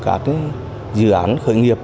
các dự án khởi nghiệp